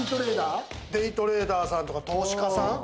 デイトレーダーさんとか投資家さん。